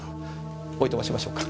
おいとましましょうか。